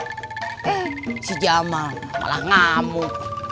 eh si jamal malah ngamuk